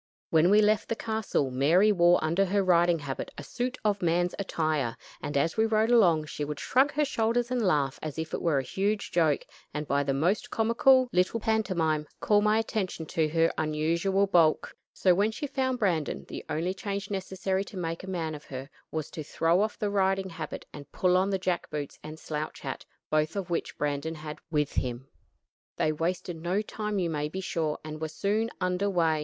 When we left the castle, Mary wore under her riding habit a suit of man's attire, and, as we rode along, she would shrug her shoulders and laugh as if it were a huge joke; and by the most comical little pantomime, call my attention to her unusual bulk. So when she found Brandon, the only change necessary to make a man of her was to throw off the riding habit and pull on the jack boots and slouch hat, both of which Brandon had with him. They wasted no time you may be sure, and were soon under way.